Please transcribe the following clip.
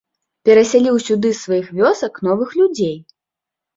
Перасяліў сюды з сваіх вёсак новых людзей.